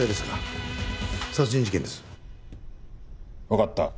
わかった。